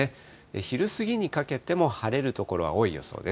昼過ぎにかけても晴れる所は多い予想です。